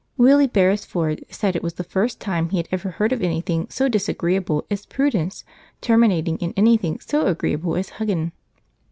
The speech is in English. Willie Beresford said it was the first time he had ever heard of anything so disagreeable as prudence terminating in anything so agreeable as huggin'.